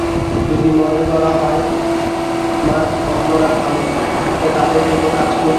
যদি মনে করা হয়, আমার অন্যরা ভালো, তাহলে তাঁদের জন্য কাজ করব।